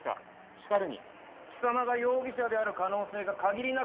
しかるに貴様が容疑者である可能性が限りなく高い。